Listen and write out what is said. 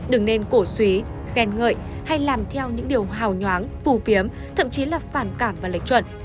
đừng nên cổ suý khen ngợi hay làm theo những điều hào nhoáng phù phiếm thậm chí là phản cảm và lệch chuẩn